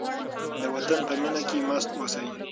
د وطن په مینه کې مست اوسئ.